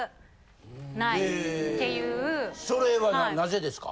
それはなぜですか？